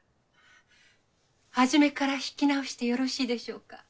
はじめから弾きなおしてよろしいでしょうか？